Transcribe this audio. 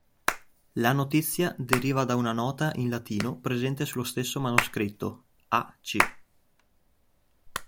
La notizia deriva da una nota in latino presente sullo stesso manoscritto a c.